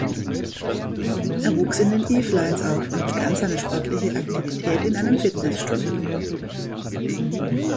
Er wuchs in den Yvelines auf und begann seine sportliche Aktivität in einem Fitnessstudio.